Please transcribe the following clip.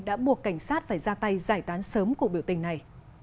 đã buộc cảnh sát phải ra tay giải tán sớm cuộc biểu tình này